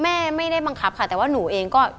ไม่ได้บังคับค่ะแต่ว่าหนูเองก็